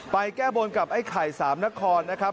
แก้บนกับไอ้ไข่สามนครนะครับ